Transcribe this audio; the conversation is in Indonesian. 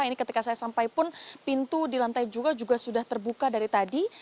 ini ketika saya sampai pun pintu di lantai dua juga sudah terbuka dari tadi